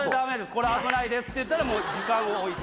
これ危ないですっていったらもう時間を置いて。